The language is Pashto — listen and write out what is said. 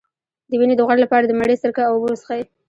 د وینې د غوړ لپاره د مڼې سرکه او اوبه وڅښئ